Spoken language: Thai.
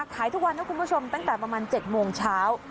ขายทุกวันนะคุณผู้ชมตั้งแต่ประมาณ๗โมงเช้า